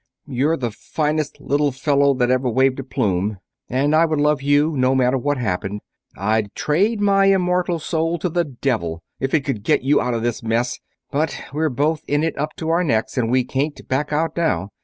"You're the finest little fellow that ever waved a plume, and I would love you no matter what happened. I'd trade my immortal soul to the devil if it would get you out of this mess, but we're both in it up to our necks and we can't back out now.